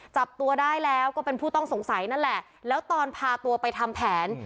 จับตัวได้แล้วก็เป็นผู้ต้องสงสัยนั่นแหละแล้วตอนพาตัวไปทำแผน